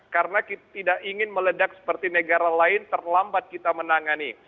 karena kita tidak ingin meledak seperti negara lain terlambat kita menangani